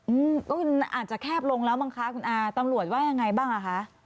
อืมก็อาจจะแคบลงแล้วมั้งคะคุณอาตำรวจว่ายังไงบ้างอ่ะคะ